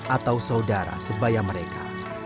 atau saudara sebaya mereka